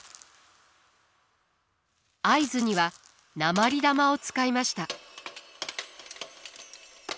合図には鉛玉を使いました。